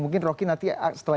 mungkin roky nanti setelah itu bisa